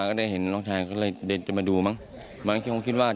ไอ้น้องที่ยิงแล้วรึเปล่า